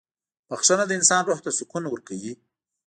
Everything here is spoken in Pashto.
• بخښنه د انسان روح ته سکون ورکوي.